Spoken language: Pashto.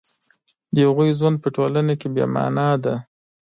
د هغوی ژوند په ټولنه کې بې مانا دی